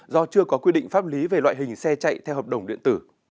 do chưa có quy định pháp lý về loại hình xe chạy theo hợp đồng điện tử